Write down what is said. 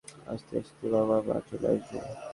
আসতে, আসতে, বাবা-মা চলে আসবে।